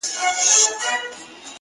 • سمدستي یې سوه تېره چاړه تر غاړه ,